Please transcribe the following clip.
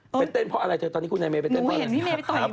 เต้นเต้นเพราะอะไรเธอตอนนี้คุณแนนเมย์ไปเต้นเต้นเพราะอะไร